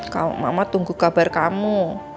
kalau mama tunggu kabar kamu